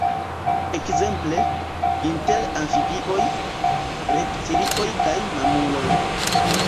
Ekzemple, inter amfibioj, reptilioj kaj mamuloj.